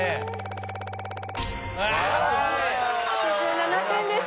「８７点でした。